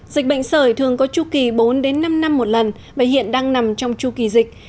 dịch bệnh sởi thường có chu kỳ bốn năm năm một lần và hiện đang nằm trong chu kỳ dịch